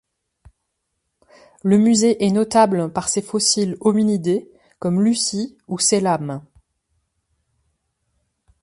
Le musée est notable par ses fossiles hominidés comme Lucy ou Selam.